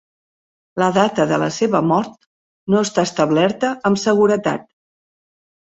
La data de la seva mort no està establerta amb seguretat.